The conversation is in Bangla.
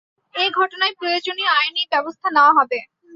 এ ঘটনায় প্রয়োজনীয় আইনি ব্যবস্থা নেওয়া হবে।